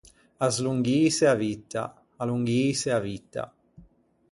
Aslonghîse a vitta, allonghîse a vitta.